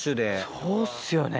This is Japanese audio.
そうっすよね。